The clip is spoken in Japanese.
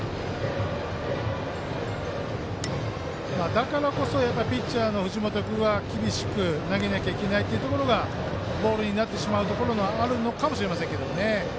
だからこそピッチャーの藤本君は厳しく投げなきゃいけないというところがボールになってしまうことがあるのかもしれませんね。